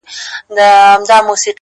• راووزه جهاني په خلوتونو پوره نه سوه,